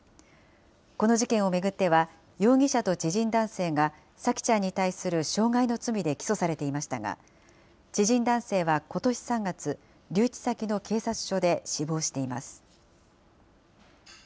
この事件を巡っては、容疑者と知人男性が、沙季ちゃんに対する傷害の罪で起訴されていましたが、知人男性はことし３月、留置先の警察署で死亡しています。